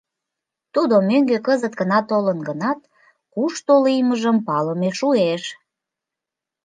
— Тудо мӧҥгӧ кызыт гына толын гынат, кушто лиймыжым палымем шуэш!